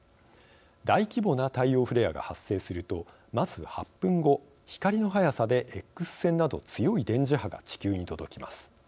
大規模な太陽フレアが発生するとまず８分後光の速さでＸ線など強い電磁波が地球に届きます。